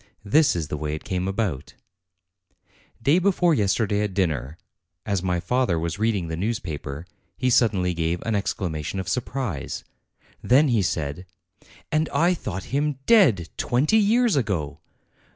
This is the way it came about. MY FATHER'S TEACHER 219 Day before yesterday, at dinner, as my father was reading the newspaper, he suddenly gave an exclama tion of surprise. Then he said: "And I thought him dead twenty years ago!